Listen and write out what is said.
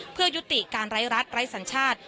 เพื่อยุติการไร้รัฐไร้สัญชาติ